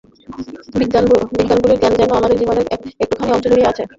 বিজ্ঞানগুলির জ্ঞান যেন আমাদের জীবনের একটুখানি অংশ জুড়িয়া আছে।